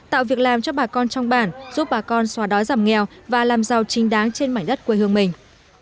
tạo việc làm cho bà con trong bản giúp bà con xóa đói giảm nghèo và làm giàu chính đáng trên mảnh đất quê hương mình